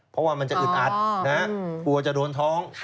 เพราะว่ามันจะอึดอัดฮะความว่าจะโดนท้องค่ะอ๋อ